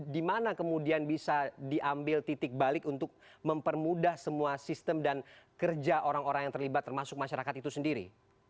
di mana kemudian bisa diambil titik balik untuk mempermudah semua sistem dan kerja orang orang yang terlibat termasuk masyarakat itu sendiri